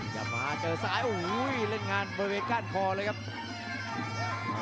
จะมาเจอซ้ายโอ้โหเล่นงานบริเวณก้านคอเลยครับ